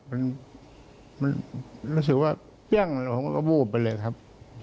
มันรู้สึกว่าเปรี้ยงแล้วผมก็วูบไปเลยครับ